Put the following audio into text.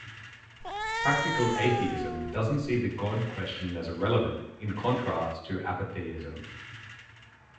Practical atheism doesn't see the god question as irrelevant, in contrast to apatheism.